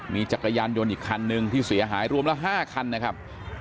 มีจักรยานยนต์อีกคันหนึ่งที่เสียหายรวมแล้ว๕คันนะครับ